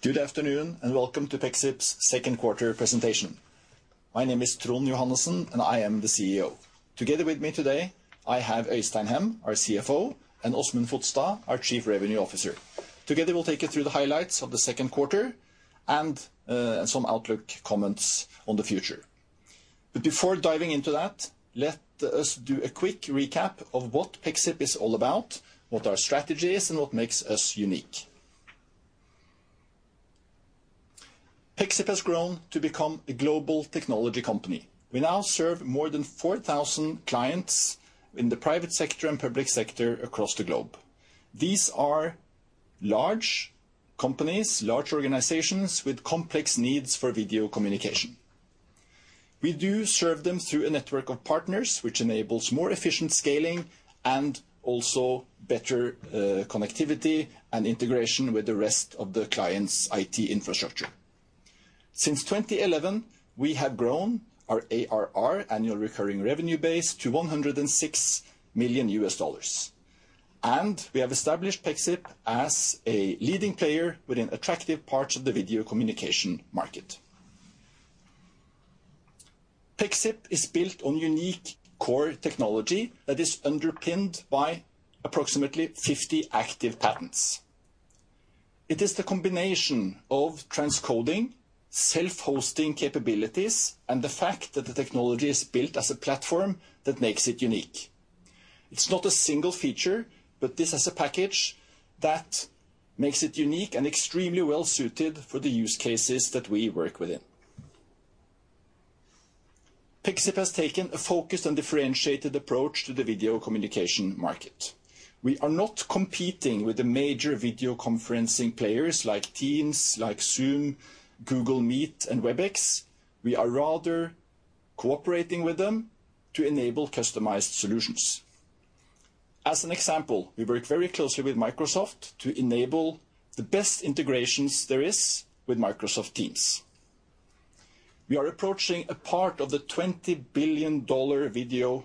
Good afternoon, and welcome to Pexip's Second Quarter Presentation. My name is Trond Johannessen, and I am the CEO. Together with me today, I have Øystein Hem, our CFO, and Åsmund Fodstad, our Chief Revenue Officer. Together we'll take you through the highlights of the second quarter and some outlook comments on the future. Before diving into that, let us do a quick recap of what Pexip is all about, what our strategy is, and what makes us unique. Pexip has grown to become a global technology company. We now serve more than 4,000 clients in the private sector and public sector across the globe. These are large companies, large organizations with complex needs for video communication. We do serve them through a network of partners, which enables more efficient scaling and also better connectivity and integration with the rest of the client's IT infrastructure. Since 2011, we have grown our ARR, annual recurring revenue base, to $106 million. We have established Pexip as a leading player within attractive parts of the video communication market. Pexip is built on unique core technology that is underpinned by approximately 50 active patents. It is the combination of transcoding, self-hosting capabilities, and the fact that the technology is built as a platform that makes it unique. It's not a single feature, but this as a package that makes it unique and extremely well-suited for the use cases that we work within. Pexip has taken a focused and differentiated approach to the video communication market. We are not competing with the major video conferencing players like Teams, like Zoom, Google Meet, and Webex. We are rather cooperating with them to enable customized solutions. As an example, we work very closely with Microsoft to enable the best integrations there is with Microsoft Teams. We are approaching a part of the $20 billion video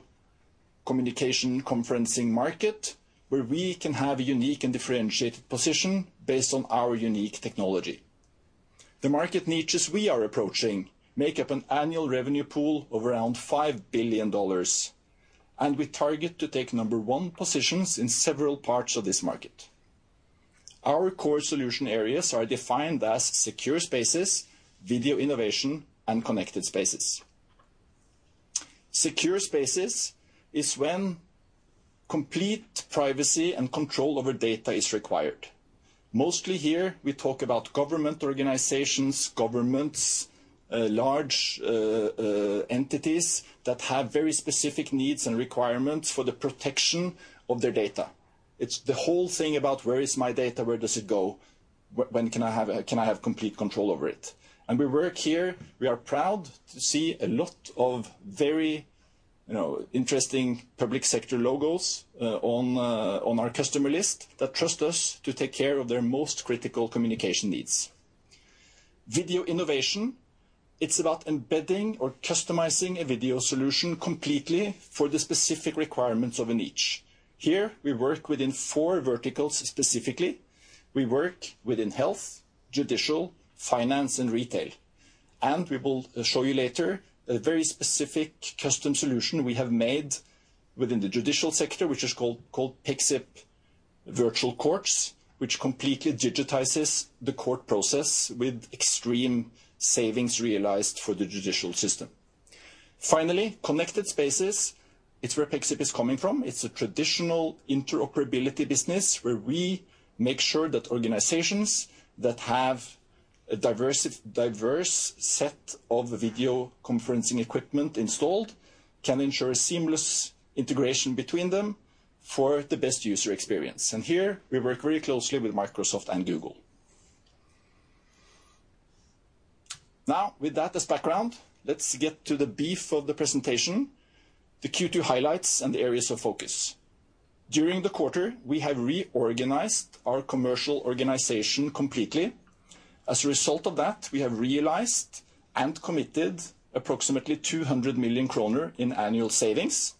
communication conferencing market, where we can have a unique and differentiated position based on our unique technology. The market niches we are approaching make up an annual revenue pool of around $5 billion, and we target to take number one positions in several parts of this market. Our core solution areas are defined as Secure Spaces, Video Innovation, and Connected Spaces. Secure Spaces is when complete privacy and control over data is required. Mostly here we talk about government organizations, governments, large entities that have very specific needs and requirements for the protection of their data. It's the whole thing about where is my data? Where does it go? Can I have complete control over it? We work here, we are proud to see a lot of very, you know, interesting public sector logos on our customer list that trust us to take care of their most critical communication needs. Video Innovation, it's about embedding or customizing a video solution completely for the specific requirements of a niche. Here, we work within four verticals specifically. We work within health, judicial, finance, and retail. We will show you later a very specific custom solution we have made within the judicial sector, which is called Pexip Virtual Courts, which completely digitizes the court process with extreme savings realized for the judicial system. Finally, Connected Spaces. It's where Pexip is coming from. It's a traditional interoperability business where we make sure that organizations that have a diverse set of video conferencing equipment installed can ensure seamless integration between them for the best user experience. Here, we work very closely with Microsoft and Google. Now, with that as background, let's get to the beef of the presentation, the Q2 highlights and the areas of focus. During the quarter, we have reorganized our commercial organization completely. As a result of that, we have realized and committed approximately 200 million kroner in annual savings.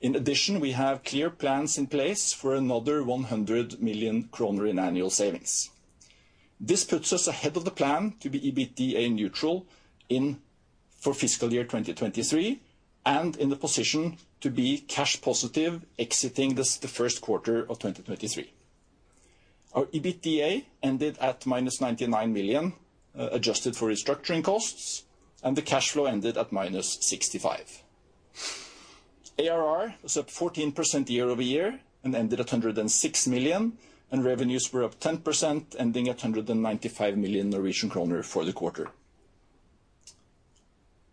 In addition, we have clear plans in place for another 100 million kroner in annual savings. This puts us ahead of the plan to be EBITDA neutral for fiscal year 2023, and in the position to be cash positive exiting the first quarter of 2023. Our EBITDA ended at -99 million, adjusted for restructuring costs, and the cash flow ended at -65 million. ARR was up 14% year-over-year and ended at $106 million, and revenues were up 10%, ending at 195 million Norwegian kroner for the quarter.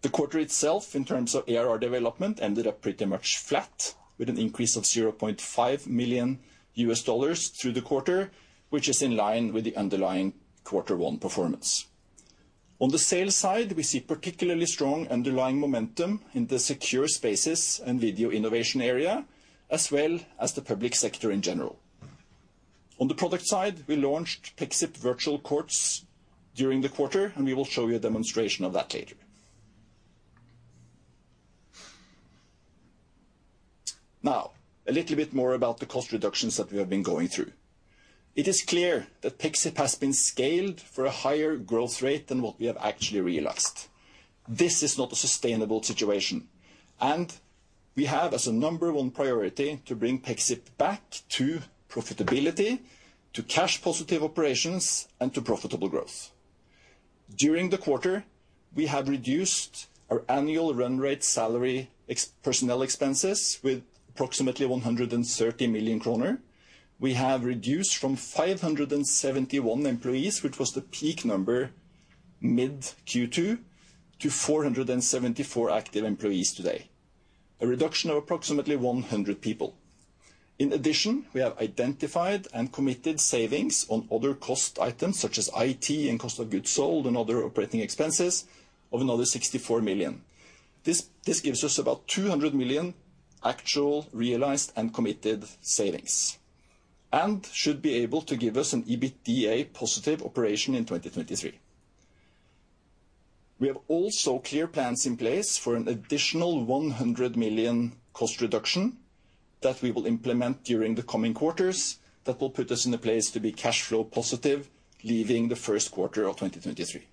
The quarter itself, in terms of ARR development, ended up pretty much flat, with an increase of $0.5 million through the quarter, which is in line with the underlying quarter one performance. On the sales side, we see particularly strong underlying momentum in the Secure Spaces and Video Innovation area, as well as the public sector in general. On the product side, we launched Pexip Virtual Courts during the quarter, and we will show you a demonstration of that later. Now, a little bit more about the cost reductions that we have been going through. It is clear that Pexip has been scaled for a higher growth rate than what we have actually realized. This is not a sustainable situation, and we have as a number one priority to bring Pexip back to profitability, to cash positive operations, and to profitable growth. During the quarter, we have reduced our annual run rate salary ex-personnel expenses with approximately 130 million kroner. We have reduced from 571 employees, which was the peak number mid Q2, to 474 active employees today. A reduction of approximately 100 people. In addition, we have identified and committed savings on other cost items such as IT and cost of goods sold and other operating expenses of another 64 million. This gives us about 200 million actual realized and committed savings, and should be able to give us an EBITDA positive operation in 2023. We have also clear plans in place for an additional 100 million cost reduction that we will implement during the coming quarters that will put us in a place to be cash flow positive, leaving the first quarter of 2023.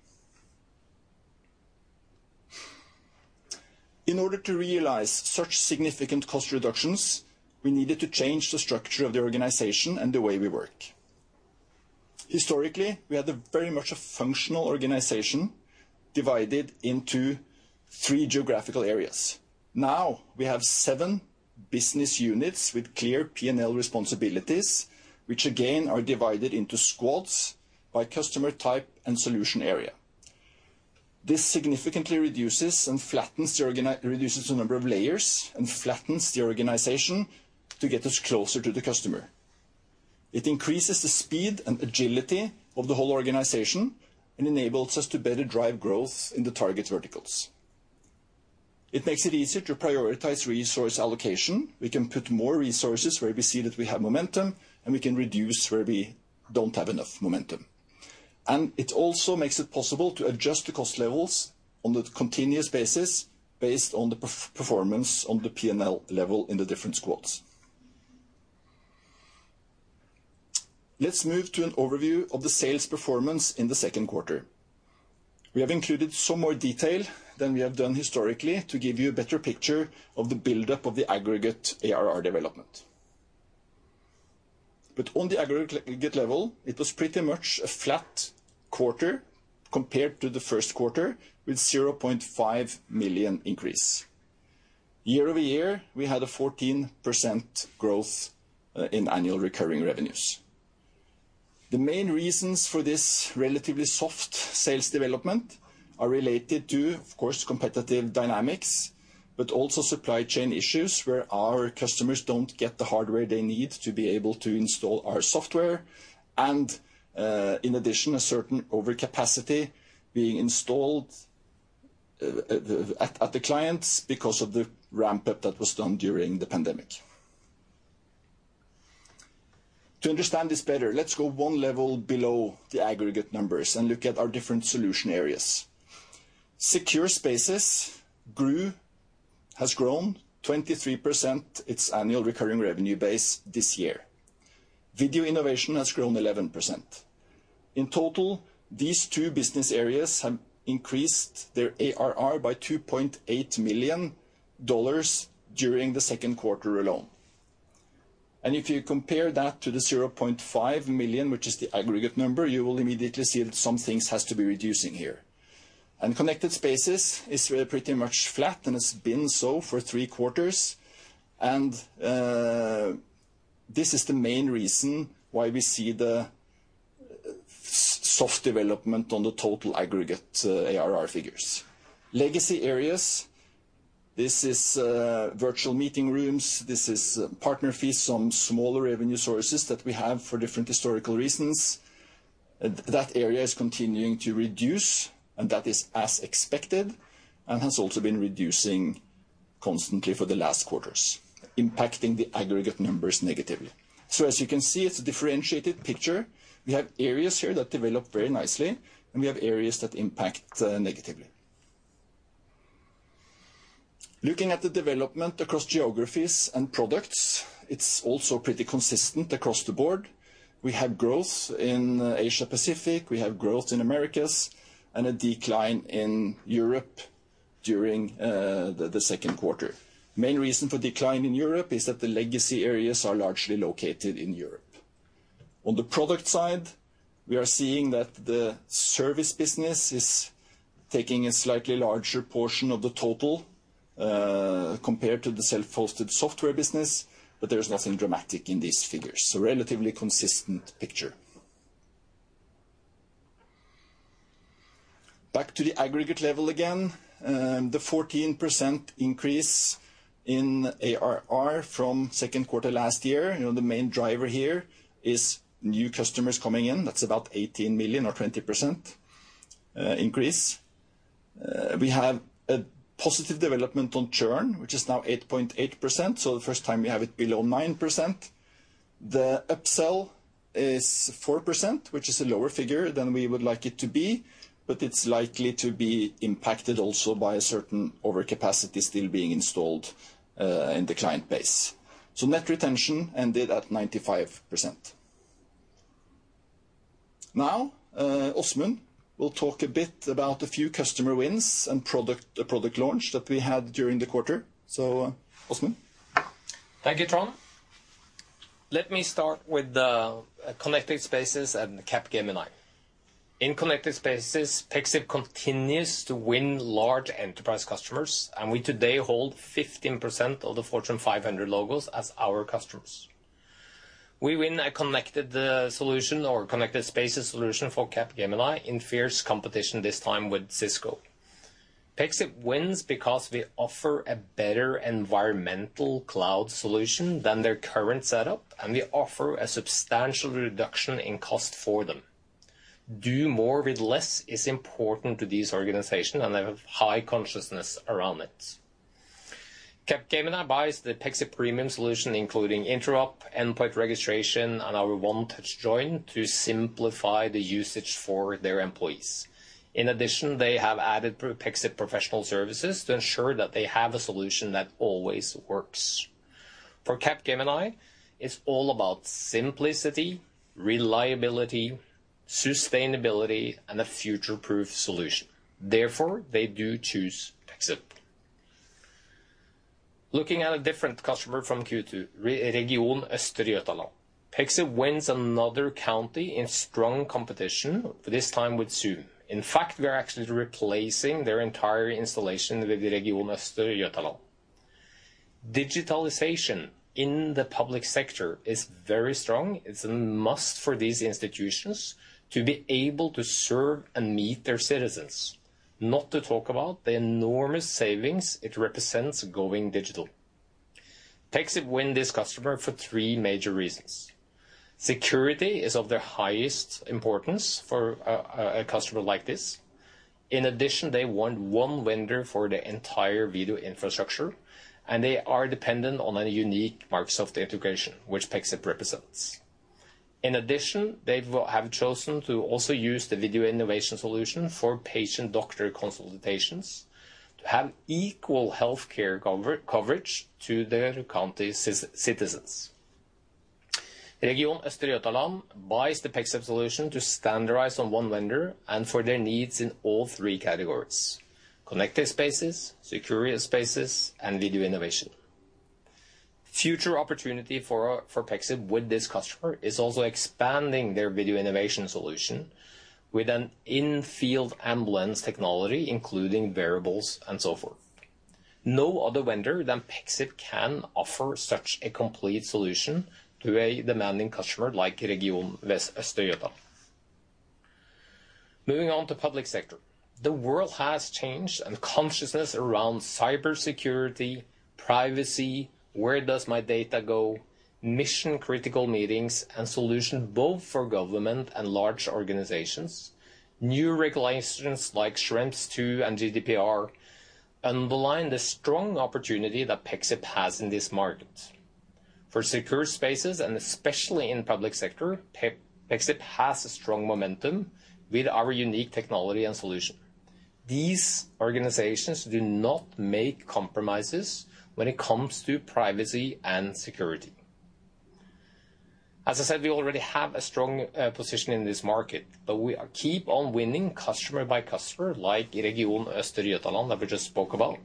In order to realize such significant cost reductions, we needed to change the structure of the organization and the way we work. Historically, we had a very much a functional organization divided into three geographical areas. Now we have seven business units with clear P&L responsibilities, which again are divided into squads by customer type and solution area. This significantly reduces and flattens the organization, reduces the number of layers and flattens the organization to get us closer to the customer. It increases the speed and agility of the whole organization and enables us to better drive growth in the target verticals. It makes it easier to prioritize resource allocation. We can put more resources where we see that we have momentum, and we can reduce where we don't have enough momentum. It also makes it possible to adjust the cost levels on a continuous basis based on the performance on the P&L level in the different squads. Let's move to an overview of the sales performance in the second quarter. We have included some more detail than we have done historically to give you a better picture of the buildup of the aggregate ARR development. On the aggregate level, it was pretty much a flat quarter compared to the first quarter, with $0.5 million increase. Year over year, we had a 14% growth in annual recurring revenues. The main reasons for this relatively soft sales development are related to, of course, competitive dynamics, but also supply chain issues where our customers don't get the hardware they need to be able to install our software and, in addition, a certain overcapacity being installed at the clients because of the ramp-up that was done during the pandemic. To understand this better, let's go one level below the aggregate numbers and look at our different solution areas. Secure Spaces has grown 23% its annual recurring revenue base this year. Video Innovation has grown 11%. In total, these two business areas have increased their ARR by $2.8 million during the second quarter alone. If you compare that to the $0.5 million, which is the aggregate number, you will immediately see that some things has to be reducing here. Connected Spaces is really pretty much flat, and it's been so for three quarters. This is the main reason why we see the soft development on the total aggregate ARR figures. Legacy areas, this is virtual meeting rooms. This is partner fees on smaller revenue sources that we have for different historical reasons. That area is continuing to reduce, and that is as expected and has also been reducing constantly for the last quarters, impacting the aggregate numbers negatively. As you can see, it's a differentiated picture. We have areas here that develop very nicely, and we have areas that impact negatively. Looking at the development across geographies and products, it's also pretty consistent across the board. We have growth in Asia Pacific, we have growth in Americas, and a decline in Europe during the second quarter. Main reason for decline in Europe is that the legacy areas are largely located in Europe. On the product side, we are seeing that the service business is taking a slightly larger portion of the total, compared to the self-hosted software business, but there's nothing dramatic in these figures. Relatively consistent picture. Back to the aggregate level again, the 14% increase in ARR from second quarter last year. You know, the main driver here is new customers coming in. That's about $18 million or 20% increase. We have a positive development on churn, which is now 8.8%, the first time we have it below 9%. The upsell is 4%, which is a lower figure than we would like it to be, but it's likely to be impacted also by a certain overcapacity still being installed in the client base. Net retention ended at 95%. Now, Åsmund will talk a bit about a few customer wins and product launch that we had during the quarter. Åsmund. Thank you, Trond. Let me start with the Connected Spaces and Capgemini. In Connected Spaces, Pexip continues to win large enterprise customers, and we today hold 15% of the Fortune 500 logos as our customers. We win a connected solution or Connected Spaces solution for Capgemini in fierce competition, this time with Cisco. Pexip wins because we offer a better environmental cloud solution than their current setup, and we offer a substantial reduction in cost for them. Do more with less is important to this organization, and they have high consciousness around it. Capgemini buys the Pexip Premium solution, including interop, endpoint registration, and our One-Touch Join to simplify the usage for their employees. In addition, they have added Pexip professional services to ensure that they have a solution that always works. For Capgemini, it's all about simplicity, reliability, sustainability, and a future-proof solution. Therefore, they do choose Pexip. Looking at a different customer from Q2, Region Östergötland. Pexip wins another county in strong competition, this time with Zoom. In fact, we are actually replacing their entire installation with the Region Östergötland. Digitalization in the public sector is very strong. It's a must for these institutions to be able to serve and meet their citizens, not to talk about the enormous savings it represents going digital. Pexip win this customer for three major reasons. Security is of the highest importance for a customer like this. In addition, they want one vendor for their entire video infrastructure, and they are dependent on a unique Microsoft integration, which Pexip represents. In addition, they have chosen to also use the Video Innovation solution for patient-doctor consultations to have equal healthcare coverage to their county citizens. Region Östergötland buys the Pexip solution to standardize on one vendor and for their needs in all three categories, Connected Spaces, Secure Spaces, and Video Innovation. Future opportunity for Pexip with this customer is also expanding their Video Innovation solution with an in-field ambulance technology, including variables and so forth. No other vendor than Pexip can offer such a complete solution to a demanding customer like Region Östergötland. Moving on to public sector. The world has changed, and consciousness around cybersecurity, privacy, where does my data go, mission-critical meetings, and solution both for government and large organizations. New regulations like Schrems II and GDPR underline the strong opportunity that Pexip has in this market. For Secure Spaces, and especially in public sector, Pexip has a strong momentum with our unique technology and solution. These organizations do not make compromises when it comes to privacy and security. As I said, we already have a strong position in this market, but we keep on winning customer by customer, like Region Östergötland that we just spoke about,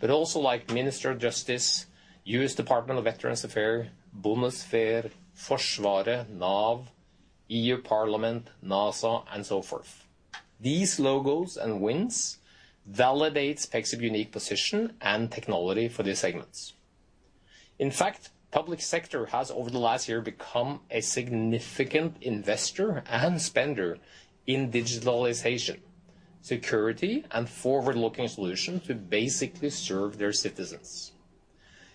but also like Ministry of Justice, U.S. Department of Veterans Affairs, Bundeswehr, Forsvaret, NAV, EU Parliament, NASA, and so forth. These logos and wins validates Pexip's unique position and technology for these segments. In fact, public sector has over the last year become a significant investor and spender in digitalization, security, and forward-looking solution to basically serve their citizens.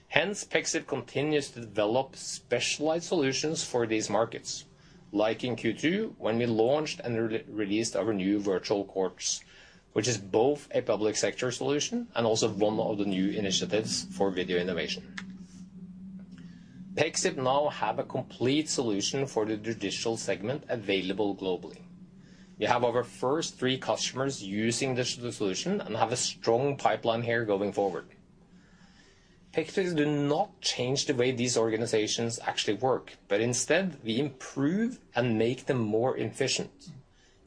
Hence, Pexip continues to develop specialized solutions for these markets, like in Q2 when we launched and released our new virtual courts, which is both a public sector solution and also one of the new initiatives for video innovation. Pexip now have a complete solution for the judicial segment available globally. We have our first three customers using this solution and have a strong pipeline here going forward. Pexip do not change the way these organizations actually work, but instead we improve and make them more efficient.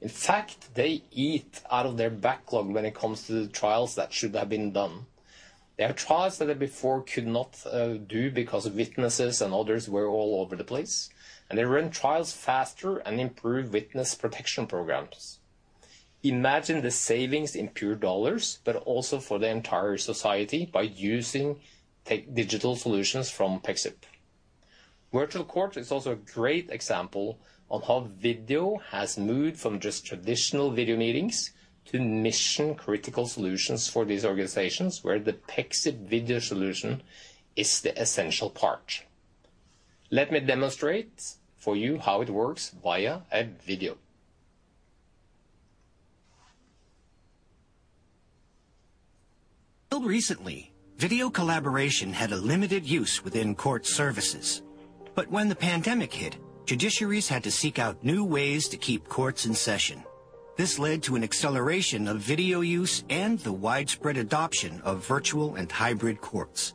In fact, they eat out of their backlog when it comes to the trials that should have been done. They have trials that they before could not do because witnesses and others were all over the place, and they run trials faster and improve witness protection programs. Imagine the savings in pure dollars, but also for the entire society, by using digital solutions from Pexip. Virtual courts is also a great example of how video has moved from just traditional video meetings to mission-critical solutions for these organizations, where the Pexip video solution is the essential part. Let me demonstrate for you how it works via a video. Till recently, video collaboration had a limited use within court services. When the pandemic hit, judiciaries had to seek out new ways to keep courts in session. This led to an acceleration of video use and the widespread adoption of virtual and hybrid courts.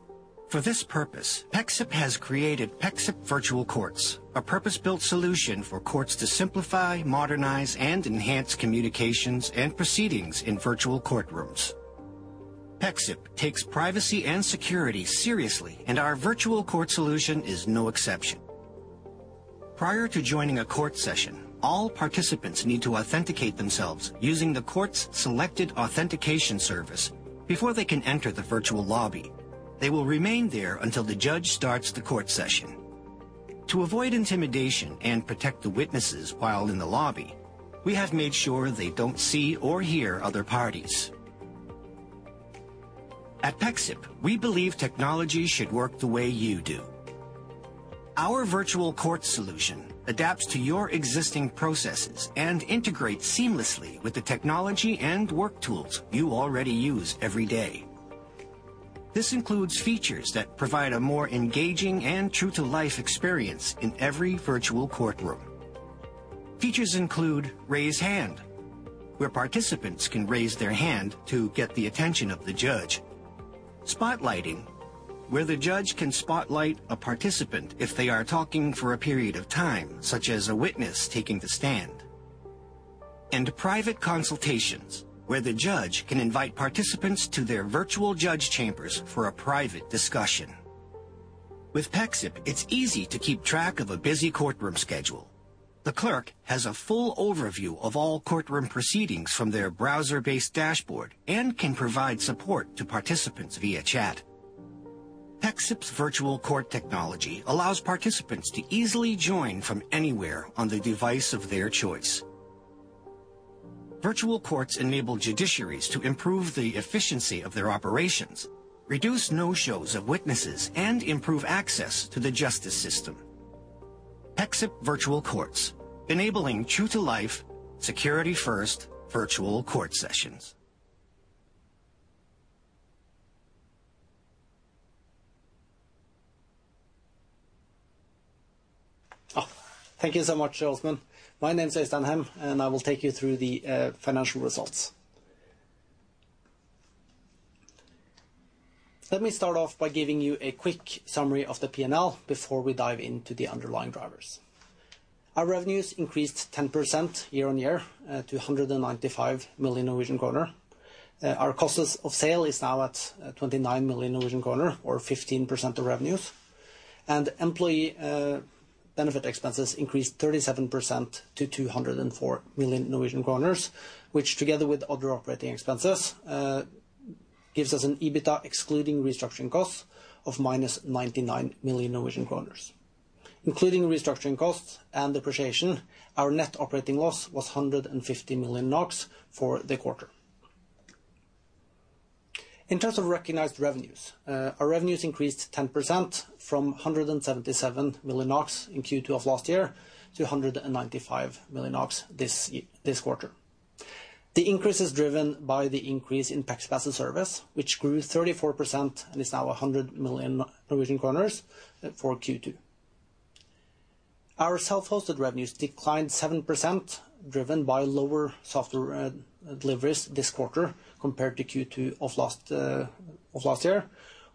For this purpose, Pexip has created Pexip Virtual Courts, a purpose-built solution for courts to simplify, modernize, and enhance communications and proceedings in virtual courtrooms. Pexip takes privacy and security seriously, and our virtual court solution is no exception. Prior to joining a court session, all participants need to authenticate themselves using the court's selected authentication service before they can enter the virtual lobby. They will remain there until the judge starts the court session. To avoid intimidation and protect the witnesses while in the lobby, we have made sure they don't see or hear other parties. At Pexip, we believe technology should work the way you do. Our virtual court solution adapts to your existing processes and integrates seamlessly with the technology and work tools you already use every day. This includes features that provide a more engaging and true-to-life experience in every virtual courtroom. Features include Raise Hand, where participants can raise their hand to get the attention of the judge. Spotlighting, where the judge can spotlight a participant if they are talking for a period of time, such as a witness taking the stand. Private consultations, where the judge can invite participants to their virtual judge chambers for a private discussion. With Pexip, it's easy to keep track of a busy courtroom schedule. The clerk has a full overview of all courtroom proceedings from their browser-based dashboard and can provide support to participants via chat. Pexip's Virtual Court technology allows participants to easily join from anywhere on the device of their choice. Virtual Courts enable judiciaries to improve the efficiency of their operations, reduce no-shows of witnesses, and improve access to the justice system. Pexip Virtual Courts, enabling true-to-life, security-first virtual court sessions. Thank you so much, Åsmund. My name is Øystein Hem, and I will take you through the financial results. Let me start off by giving you a quick summary of the P&L before we dive into the underlying drivers. Our revenues increased 10% year-on-year to 195 million Norwegian kroner. Our costs of sale is now at 29 million Norwegian kroner, or 15% of revenues. Employee benefit expenses increased 37% to 204 million Norwegian kroner. Which, together with other operating expenses, gives us an EBITDA excluding restructuring costs of -99 million Norwegian kroner. Including restructuring costs and depreciation, our net operating loss was 150 million NOK for the quarter. In terms of recognized revenues, our revenues increased 10% from 177 million NOK in Q2 of last year to 195 million NOK this quarter. The increase is driven by the increase in Pexip as a Service, which grew 34% and is now 100 million Norwegian kroner for Q2. Our self-hosted revenues declined 7% driven by lower software deliveries this quarter compared to Q2 of last year.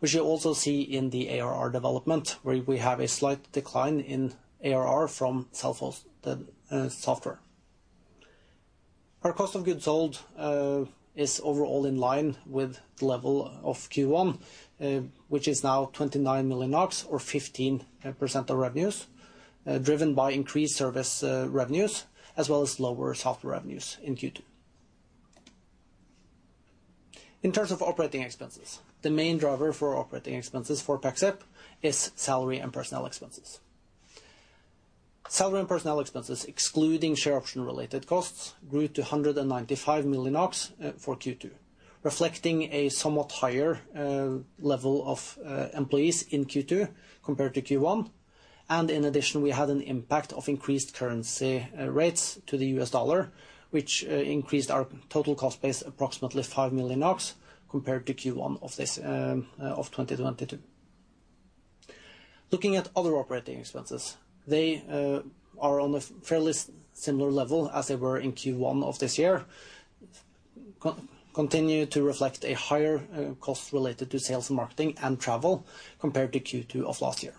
We should also see in the ARR development, where we have a slight decline in ARR from self-hosted software. Our cost of goods sold is overall in line with the level of Q1, which is now 29 million NOK or 15% of revenues, driven by increased service revenues as well as lower software revenues in Q2. In terms of operating expenses, the main driver for operating expenses for Pexip is salary and personnel expenses. Salary and personnel expenses excluding share option-related costs grew to 195 million for Q2, reflecting a somewhat higher level of employees in Q2 compared to Q1. In addition, we had an impact of increased currency rates to the U.S. dollar, which increased our total cost base approximately 5 million compared to Q1 of this of 2022. Looking at other operating expenses, they are on a fairly similar level as they were in Q1 of this year. They continue to reflect a higher cost related to sales and marketing and travel compared to Q2 of last year.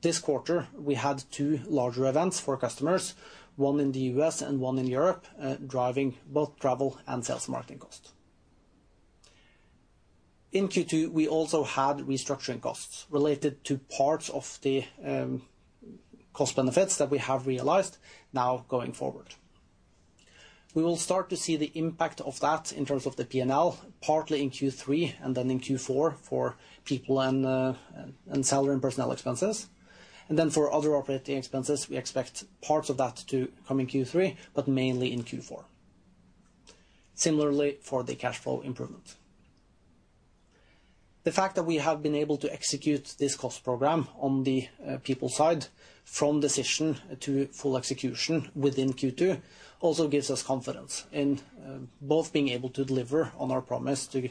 This quarter, we had two larger events for customers, one in the U.S. and one in Europe, driving both travel and sales marketing costs. In Q2, we also had restructuring costs related to parts of the cost benefits that we have realized now going forward. We will start to see the impact of that in terms of the P&L, partly in Q3 and then in Q4 for people and salary and personnel expenses. For other operating expenses, we expect parts of that to come in Q3, but mainly in Q4. Similarly, for the cash flow improvement. The fact that we have been able to execute this cost program on the people side from decision to full execution within Q2 also gives us confidence in both being able to deliver on our promise to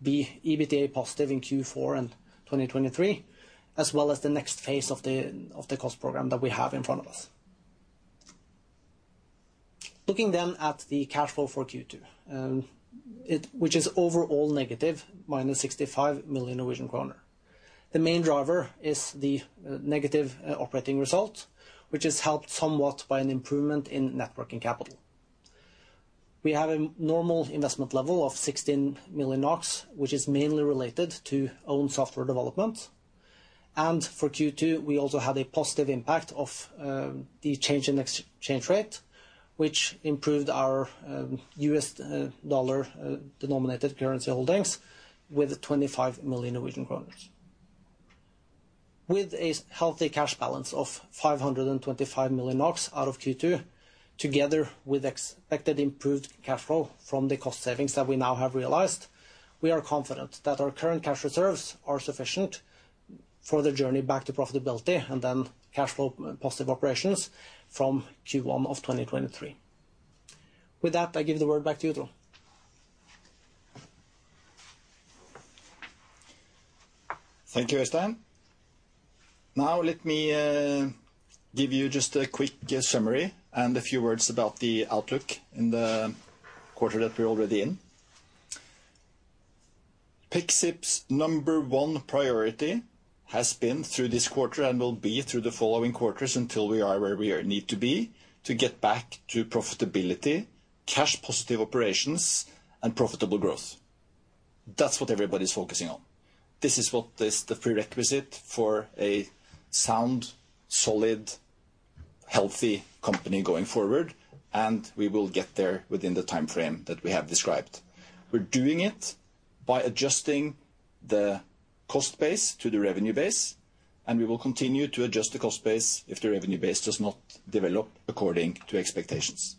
be EBITDA positive in Q4 and 2023, as well as the next phase of the cost program that we have in front of us. Looking then at the cash flow for Q2, which is overall negative, -65 million Norwegian kroner. The main driver is the negative operating result, which is helped somewhat by an improvement in net working capital. We have a normal investment level of 16 million NOK, which is mainly related to own software development. For Q2, we also had a positive impact of the change in exchange rate, which improved our U.S. dollar denominated currency holdings with 25 million Norwegian kroner. With a healthy cash balance of 525 million NOK at the end of Q2, together with expected improved cash flow from the cost savings that we now have realized, we are confident that our current cash reserves are sufficient for the journey back to profitability and then cash flow positive operations from Q1 of 2023. With that, I give the word back to you, Trond. Thank you, Øystein. Now let me give you just a quick summary and a few words about the outlook in the quarter that we're already in. Pexip's number one priority has been through this quarter and will be through the following quarters until we are where we need to be to get back to profitability, cash positive operations, and profitable growth. That's what everybody's focusing on. This is what is the prerequisite for a sound, solid, healthy company going forward, and we will get there within the timeframe that we have described. We're doing it by adjusting the cost base to the revenue base, and we will continue to adjust the cost base if the revenue base does not develop according to expectations.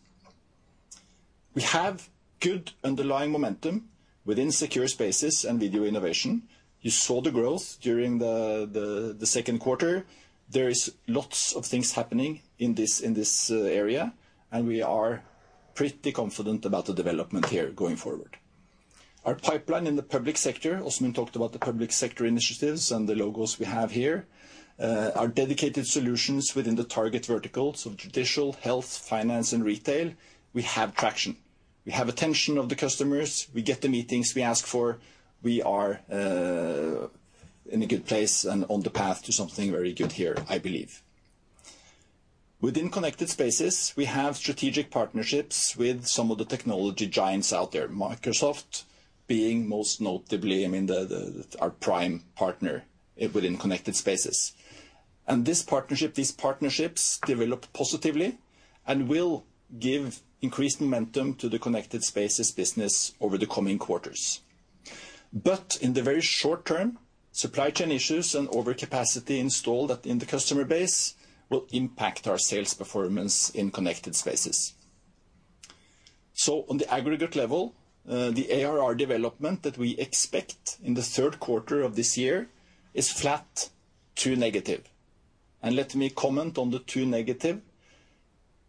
We have good underlying momentum within Secure Spaces and Video Innovation. You saw the growth during the second quarter. There is lots of things happening in this area, and we are pretty confident about the development here going forward. Our pipeline in the public sector, Åsmund talked about the public sector initiatives and the logos we have here. Our dedicated solutions within the target verticals of judicial, health, finance, and retail, we have traction. We have attention of the customers. We get the meetings we ask for. We are in a good place and on the path to something very good here, I believe. Within Connected Spaces, we have strategic partnerships with some of the technology giants out there, Microsoft being most notably, I mean, our prime partner within Connected Spaces. This partnership, these partnerships develop positively and will give increased momentum to the Connected Spaces business over the coming quarters. In the very short term, supply chain issues and overcapacity installed in the customer base will impact our sales performance in Connected Spaces. On the aggregate level, the ARR development that we expect in the third quarter of this year is flat to negative. Let me comment on the to negative.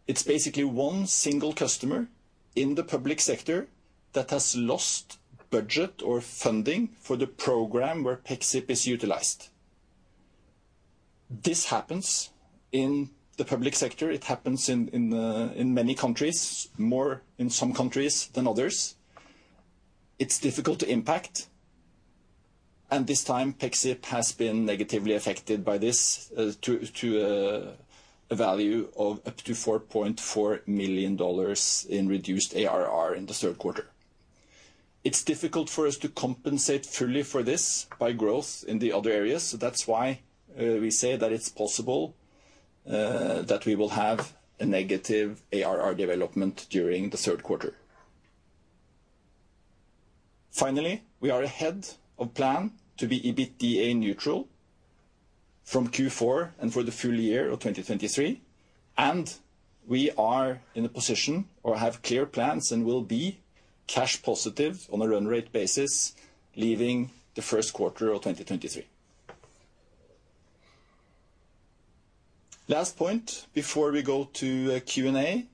It's basically one single customer in the public sector that has lost budget or funding for the program where Pexip is utilized. This happens in the public sector. It happens in many countries, more in some countries than others. It's difficult to impact. This time, Pexip has been negatively affected by this to a value of up to $4.4 million in reduced ARR in the third quarter. It's difficult for us to compensate fully for this by growth in the other areas. That's why we say that it's possible that we will have a negative ARR development during the third quarter. Finally, we are ahead of plan to be EBITDA neutral from Q4 and for the full year of 2023, and we are in a position, or have clear plans and will be cash positive on a run rate basis, leaving the first quarter of 2023. Last point before we go to Q&A,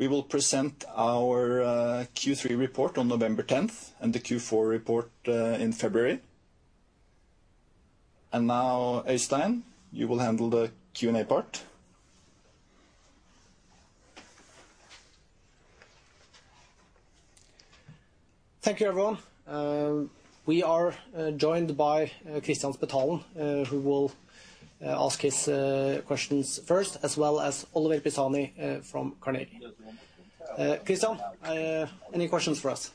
we will present our Q3 report on November 10th and the Q4 report in February. Now, Øystein, you will handle the Q&A part. Thank you, everyone. We are joined by Kristian Spetalen, who will ask his questions first, as well as Oliver Pisani from Carnegie. Kristian, any questions for us?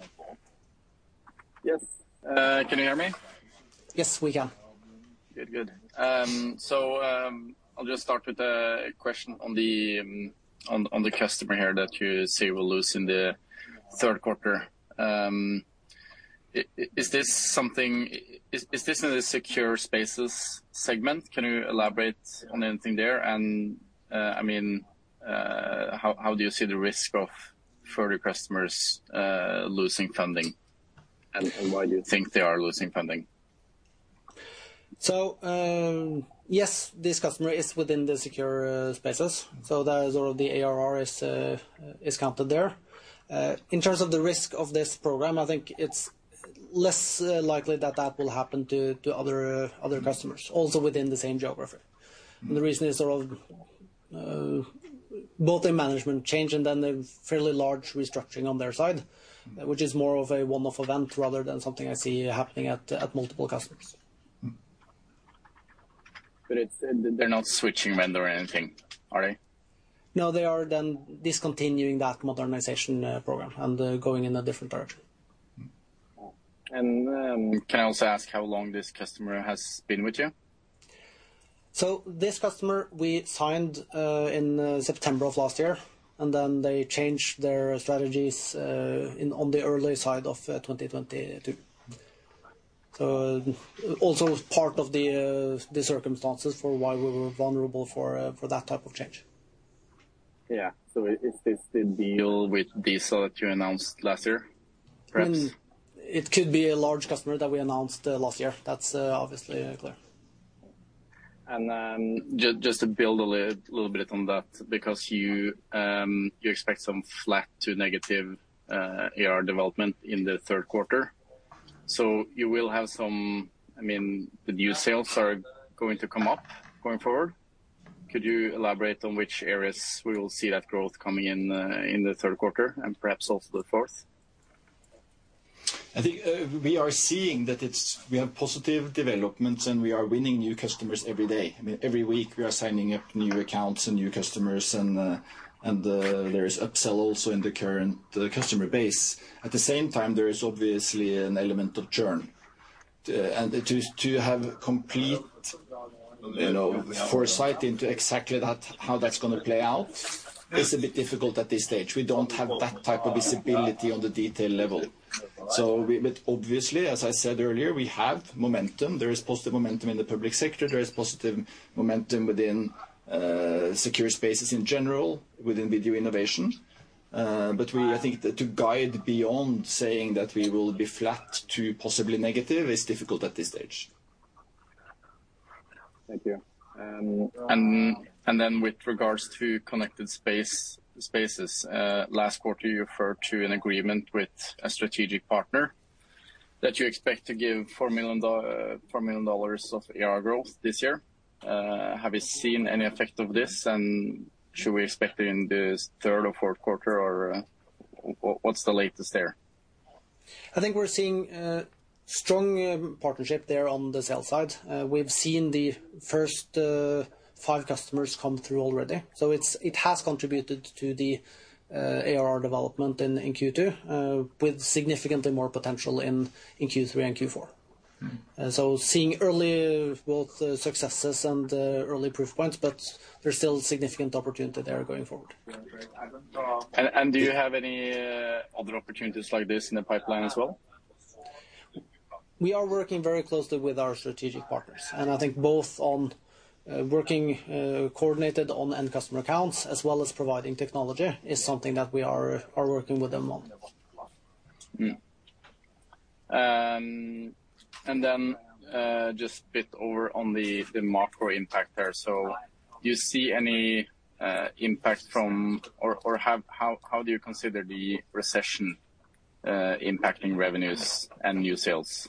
Yes. Can you hear me? Yes, we can. I'll just start with a question on the customer here that you say you will lose in the third quarter. Is this in the Secure Spaces segment? Can you elaborate on anything there? I mean, how do you see the risk for the customers losing funding? Why do you think they are losing funding? Yes, this customer is within the Secure Spaces. That is all the ARR is counted there. In terms of the risk of this program, I think it's less likely that that will happen to other customers also within the same geography. The reason is sort of both a management change and then a fairly large restructuring on their side, which is more of a one-off event rather than something I see happening at multiple customers. Mm-hmm. They're not switching vendor or anything, are they? No, they are then discontinuing that modernization program and going in a different direction. Mm-hmm. Can I also ask how long this customer has been with you? This customer we signed in September of last year, and then they changed their strategies on the early side of 2022. Also part of the circumstances for why we were vulnerable for that type of change. Yeah. Is this the deal with Visa that you announced last year, perhaps? It could be a large customer that we announced last year. That's obviously clear. Just to build a little bit on that, because you expect some flat to negative ARR development in the third quarter. You will have some. I mean, the new sales are going to come up going forward. Could you elaborate on which areas we will see that growth coming in in the third quarter and perhaps also the fourth? I think, we are seeing that we have positive developments and we are winning new customers every day. I mean, every week we are signing up new accounts and new customers, and there is upsell also in the current customer base. At the same time, there is obviously an element of churn. To have complete, you know, foresight into exactly that, how that's gonna play out is a bit difficult at this stage. We don't have that type of visibility on the detail level. Obviously, as I said earlier, we have momentum. There is positive momentum in the public sector. There is positive momentum within Secure Spaces in general, within Video Innovation. I think that to guide beyond saying that we will be flat to possibly negative is difficult at this stage. Thank you. Then with regards to Connected Spaces, last quarter, you referred to an agreement with a strategic partner that you expect to give $4 million of ARR growth this year. Have you seen any effect of this, and should we expect it in the third or fourth quarter, or what's the latest there? I think we're seeing strong partnership there on the sales side. We've seen the first five customers come through already. It has contributed to the ARR development in Q2 with significantly more potential in Q3 and Q4. Mm-hmm. Seeing early, both successes and, early proof points, but there's still significant opportunity there going forward. Do you have any other opportunities like this in the pipeline as well? We are working very closely with our strategic partners, and I think both on working, coordinated on end customer accounts as well as providing technology is something that we are working with them on. Mm-hmm. Just a bit over on the macro impact there. How do you consider the recession impacting revenues and new sales?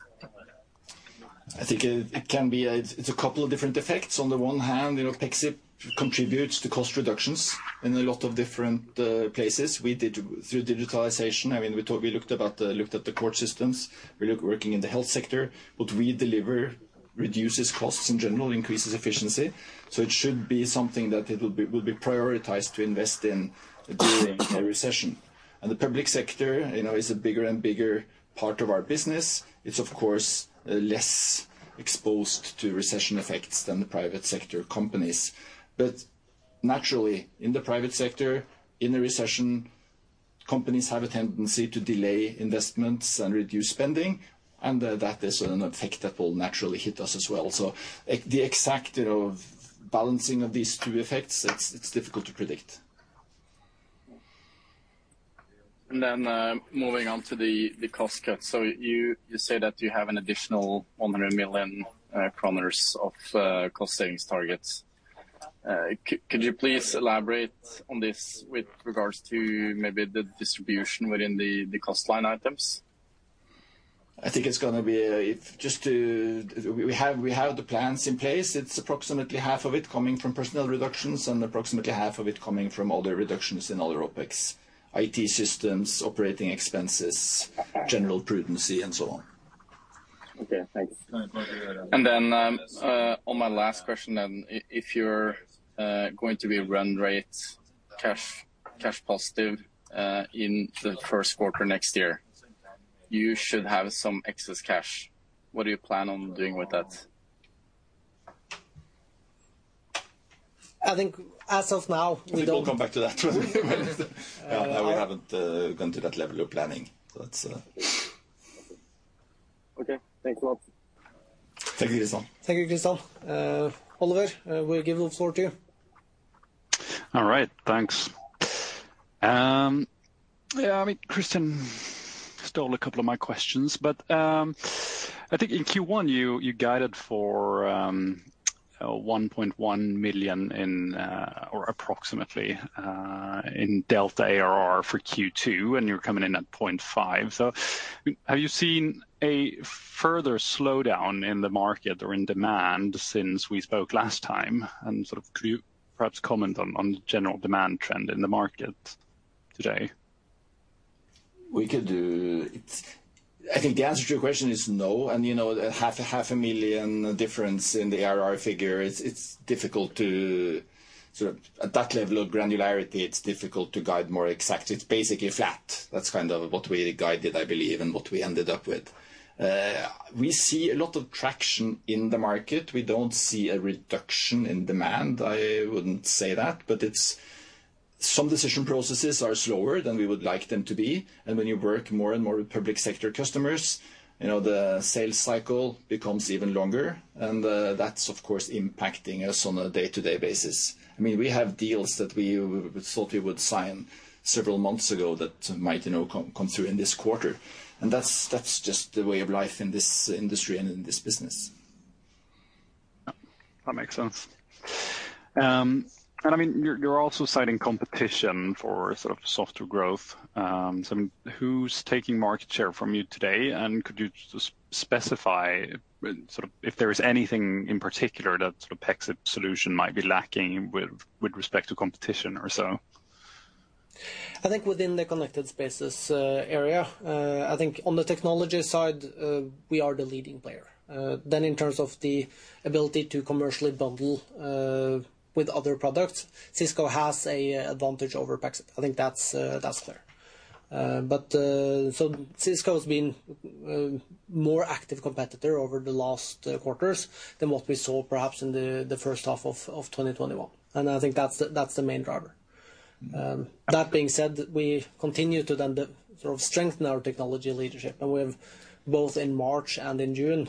I think it can be a. It's a couple of different effects. On the one hand, you know, Pexip contributes to cost reductions in a lot of different places. We do through digitalization. I mean, we looked at the court systems. We work in the health sector. What we deliver reduces costs in general, increases efficiency. It should be something that it will be prioritized to invest in during a recession. The public sector, you know, is a bigger and bigger part of our business. It's of course less exposed to recession effects than the private sector companies. Naturally, in the private sector, in a recession, companies have a tendency to delay investments and reduce spending, and that is an effect that will naturally hit us as well. The exact, you know, balancing of these two effects, it's difficult to predict. Moving on to the cost cuts. You say that you have an additional 100 million kroner of cost savings targets. Could you please elaborate on this with regards to maybe the distribution within the cost line items? I think it's gonna be. We have the plans in place. It's approximately half of it coming from personnel reductions and approximately half of it coming from other reductions in other OpEx, IT systems, operating expenses, general prudency, and so on. Okay, thank you. Then, on my last question, if you're going to be run rate cash positive in the first quarter next year, you should have some excess cash. What do you plan on doing with that? I think as of now, we don't. We will come back to that when we haven't gone to that level of planning. That's, Okay. Thanks a lot. Thank you, Kristian. Thank you, Kristian. Oliver, we'll give the floor to you. All right. Thanks. Yeah, I mean, Kristian stole a couple of my questions, but I think in Q1 you guided for $1.1 million or approximately in delta ARR for Q2, and you're coming in at $0.5 million. Have you seen a further slowdown in the market or in demand since we spoke last time? Sort of, could you perhaps comment on the general demand trend in the market today? I think the answer to your question is no. You know, $500,000 difference in the ARR figure. It's difficult to sort of at that level of granularity guide more exact. It's basically flat. That's kind of what we guided, I believe, and what we ended up with. We see a lot of traction in the market. We don't see a reduction in demand. I wouldn't say that. Some decision processes are slower than we would like them to be, and when you work more and more with public sector customers, you know, the sales cycle becomes even longer, and that's, of course, impacting us on a day-to-day basis. I mean, we have deals that we thought we would sign several months ago that might, you know, come through in this quarter. That's just the way of life in this industry and in this business. Yeah. That makes sense. I mean, you're also citing competition for sort of softer growth. Who's taking market share from you today? Could you just specify, sort of, if there is anything in particular that the Pexip solution might be lacking with respect to competition or so? I think within the Connected Spaces area, I think on the technology side, we are the leading player. In terms of the ability to commercially bundle with other products, Cisco has a advantage over Pexip. I think that's clear. Cisco's been more active competitor over the last quarters than what we saw perhaps in the first half of 2021. I think that's the main driver. That being said, we continue to then sort of strengthen our technology leadership. We've both in March and in June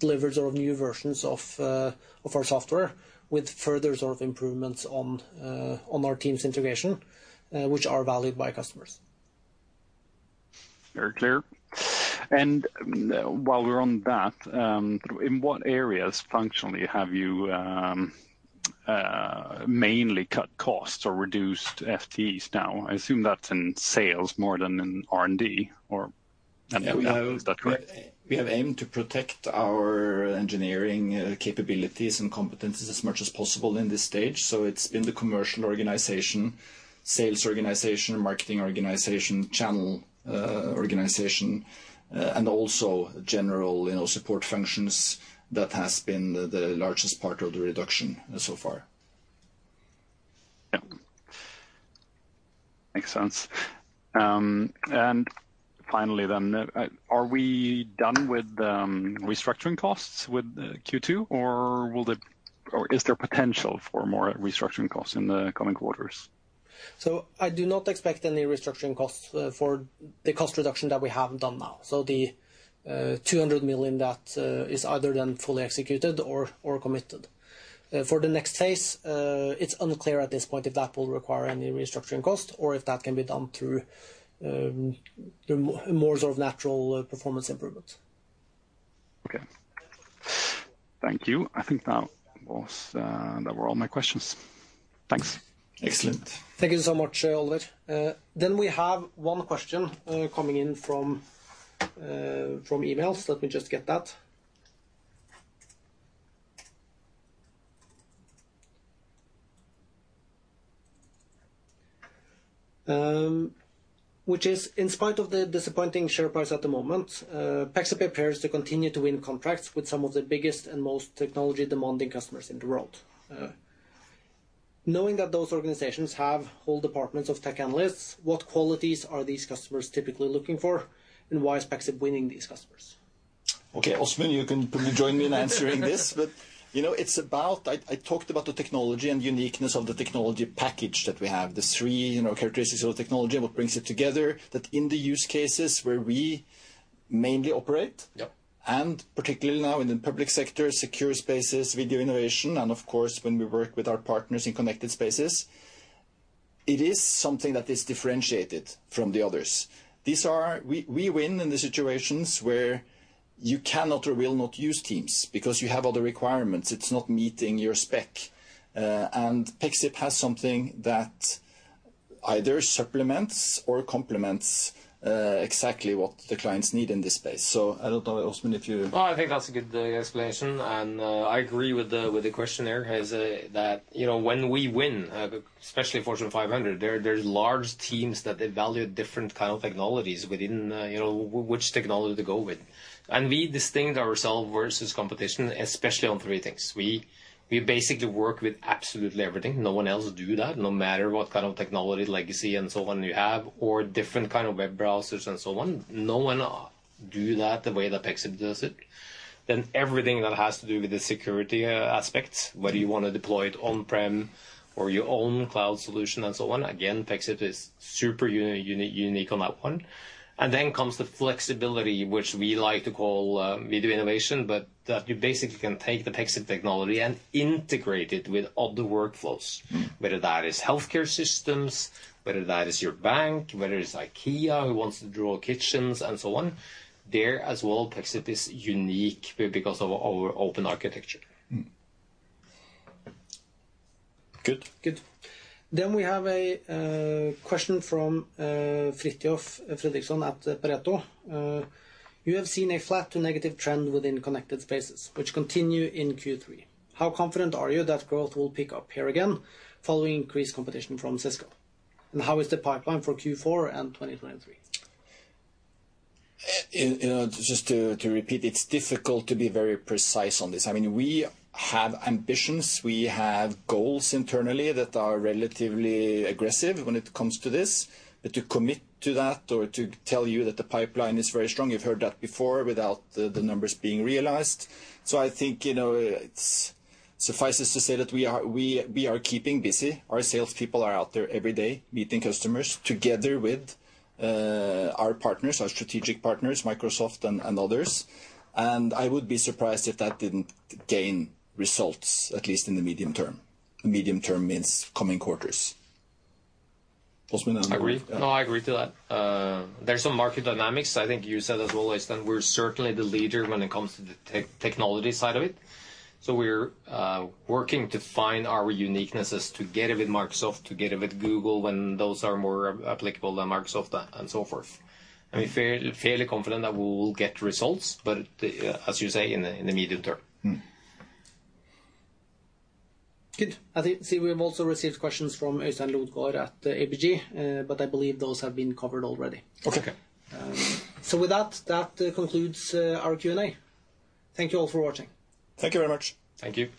delivered sort of new versions of our software with further sort of improvements on our Teams integration, which are valued by customers. Very clear. While we're on that, in what areas functionally have you mainly cut costs or reduced FTEs now? I assume that's in sales more than in R&D, or am I? Is that correct? We have aimed to protect our engineering capabilities and competencies as much as possible in this stage. It's been the commercial organization, sales organization, marketing organization, channel organization, and also general, you know, support functions that has been the largest part of the reduction so far. Yeah. Makes sense. Finally, are we done with restructuring costs with Q2 or is there potential for more restructuring costs in the coming quarters? I do not expect any restructuring costs for the cost reduction that we have done now. The 200 million that is either then fully executed or committed. For the next phase, it's unclear at this point if that will require any restructuring cost or if that can be done through more sort of natural performance improvements. Okay. Thank you. I think that was, that were all my questions. Thanks. Excellent. Thank you so much, Oliver. We have one question coming in from emails. Let me just get that. Which is, in spite of the disappointing share price at the moment, Pexip appears to continue to win contracts with some of the biggest and most technology-demanding customers in the world. Knowing that those organizations have whole departments of tech analysts, what qualities are these customers typically looking for, and why is Pexip winning these customers? Okay. Åsmund, you can probably join me in answering this. You know, it's about. I talked about the technology and uniqueness of the technology package that we have, the three, you know, characteristics of the technology and what brings it together, that in the use cases where we mainly operate. Yeah. particularly now in the public sector, Secure Spaces, Video Innovation, and of course, when we work with our partners in Connected Spaces, it is something that is differentiated from the others. These are we win in the situations where you cannot or will not use Teams because you have other requirements. It's not meeting your spec. Pexip has something that either supplements or complements exactly what the clients need in this space. I don't know, Åsmund, if you- Well, I think that's a good explanation, and I agree with the question there. You know, when we win, especially Fortune 500, there's large teams that evaluate different kind of technologies within, you know, which technology to go with. We distinguish ourselves versus competition, especially on three things. We basically work with absolutely everything. No one else do that. No matter what kind of technology legacy and so on you have, or different kind of web browsers and so on, no one do that the way that Pexip does it. Then everything that has to do with the security aspects, whether you wanna deploy it on-prem or your own cloud solution and so on, again, Pexip is super unique on that one. comes the flexibility, which we like to call Video Innovation, but that you basically can take the Pexip technology and integrate it with other workflows, whether that is healthcare systems, whether that is your bank, whether it's IKEA who wants to draw kitchens and so on. There as well, Pexip is unique because of our open architecture. Mm. Good. Good. We have a question from Fridtjof Semb Fredricsson at Pareto. You have seen a flat to negative trend within Connected Spaces, which continue in Q3. How confident are you that growth will pick up here again following increased competition from Cisco? And how is the pipeline for Q4 and 2023? You know, just to repeat, it's difficult to be very precise on this. I mean, we have ambitions, we have goals internally that are relatively aggressive when it comes to this. To commit to that or to tell you that the pipeline is very strong, you've heard that before without the numbers being realized. I think, you know, it suffices to say that we are keeping busy. Our sales people are out there every day meeting customers together with our partners, our strategic partners, Microsoft and others. I would be surprised if that didn't gain results, at least in the medium term. Medium term means coming quarters. I agree. No, I agree to that. There's some market dynamics. I think you said as well, Øystein, we're certainly the leader when it comes to the technology side of it. We're working to find our uniquenesses to get a bit Microsoft, to get a bit Google when those are more applicable than Microsoft and so forth. We're fairly confident that we will get results, but as you say, in the medium term. Mm. Good. See, we have also received questions from Øystein Lodgaard at ABG, but I believe those have been covered already. Okay. Okay. With that concludes our Q&A. Thank you all for watching. Thank you very much. Thank you.